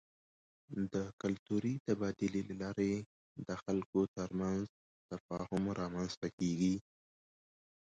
د کلتوري تبادلې له لارې د خلکو ترمنځ تفاهم رامنځته کېږي.